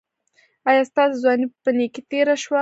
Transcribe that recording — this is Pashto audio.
ایا ستاسو ځواني په نیکۍ تیره شوه؟